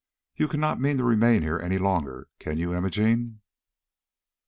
You cannot mean to remain here any longer, can you, Imogene?"